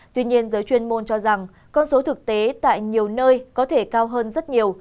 tuy nhiên giới chuyên môn cho rằng con số thực tế tại nhiều nơi có thể cao hơn rất nhiều